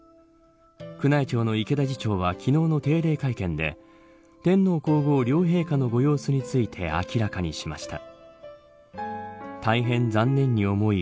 宮内庁の池田次長は昨日の定例会見で天皇皇后両陛下のご様子について明らかにしました。